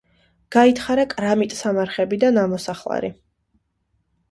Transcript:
გაითხარა კრამიტსამარხები და ნამოსახლარი.